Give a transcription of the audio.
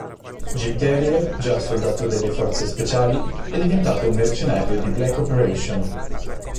Jim Terrier, già soldato delle forze speciali, è diventato un mercenario di "black operation".